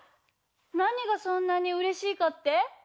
なにがそんなにうれしいかって？